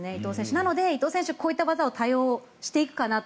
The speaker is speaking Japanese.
なので伊藤選手はこういった技を多用していくかなと。